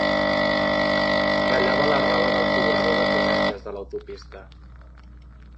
Ratllava la roba del cobrador de peatges de l'autopista.